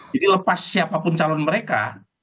jadi lepas siapapun calon mereka